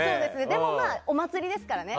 でも、お祭りですからね。